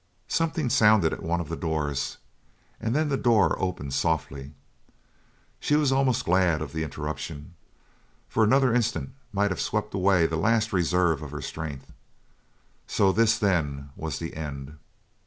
Something sounded at one of the doors and then the door opened softly. She was almost glad of the interruption, for another instant might have swept away the last reserve of her strength. So this, then, was the end.